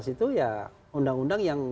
itu ya undang undang yang